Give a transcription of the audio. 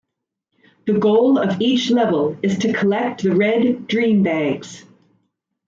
The goal of each level is to collect the red Dream Bags.